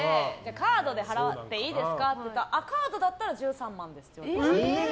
カードで払っていいですかって言ったらカードだったら１３万ですって。